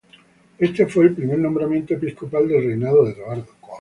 Éste fue el primer nombramiento episcopal del reinado de Eduardo.